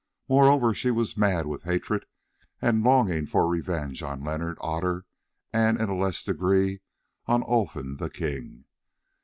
Moreover, she was mad with hatred and longing for revenge on Leonard, Otter, and in a less degree on Olfan the king.